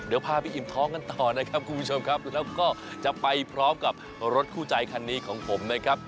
เดี๋ยวพาไปอิ่มท้องกันต่อนะครับคุณผู้ชมครับแล้วก็จะไปพร้อมกับรถคู่ใจคันนี้ของผมนะครับ